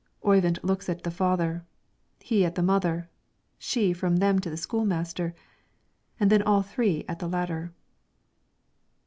Oyvind looks at the father, he at the mother, she from them to the school master, and then all three at the latter.